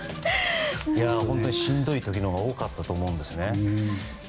本当にしんどい時のほうが多かったと思うんですよね。